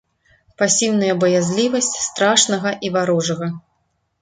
Пасіўная баязлівасць страшнага і варожага.